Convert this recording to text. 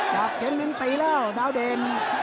จากเก็นมินตรีแล้วดาวเดน